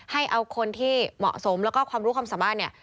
ให้เอาคนที่เหมาะสมแล้วก็ความรู้ความสามารถเนี่ย